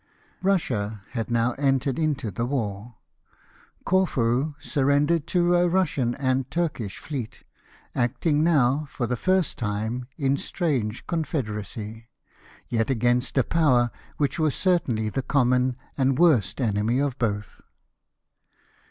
Russia had now entered into the war. Corfu surrendered to a Russian and Turkish fleet, acting now, for the first time, in strange confederacy, yet against a power which was certainly the common and worst enemy of both.